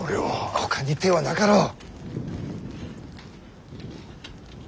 ほかに手はなかろう！